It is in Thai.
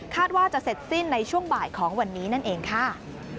ว่าจะเสร็จสิ้นในช่วงบ่ายของวันนี้นั่นเองค่ะ